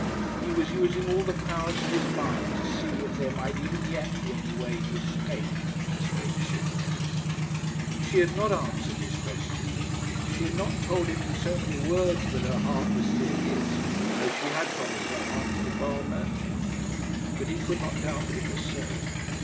He was using all the powers of his mind to see if there might even yet be any way to escape this great shipwreck. She had not answered his question. She had not told him in so many words that her heart was still his, though she had promised her hand to the Basle merchant. But he could not doubt that it was so.